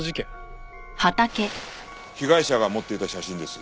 被害者が持っていた写真です。